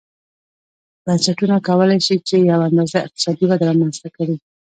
بنسټونه کولای شي چې یوه اندازه اقتصادي وده رامنځته کړي.